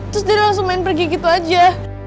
terus dia langsung main pergi gitu aja